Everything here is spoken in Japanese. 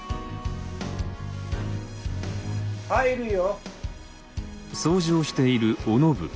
・入るよ。